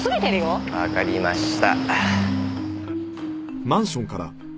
わかりました。